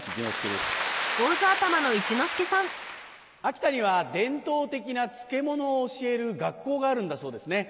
秋田には伝統的な漬物を教える学校があるんだそうですね。